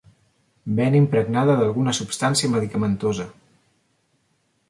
Bena impregnada d'alguna substància medicamentosa.